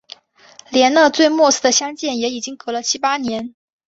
连那最末次的相见也已经隔了七八年